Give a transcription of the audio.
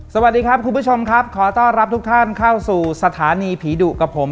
สวัสดีครับคุณผู้ชมครับขอต้อนรับทุกท่านเข้าสู่สถานีผีดุกับผม